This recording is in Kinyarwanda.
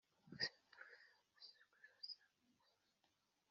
Ni urusaku rw’abantu banezerewe